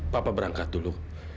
papa berangkat dulu